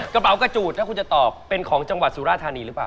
กระเป๋ากระจูดถ้าคุณจะตอบเป็นของจังหวัดสุราธานีหรือเปล่า